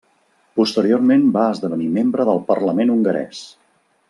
Posteriorment va esdevenir membre del parlament hongarès.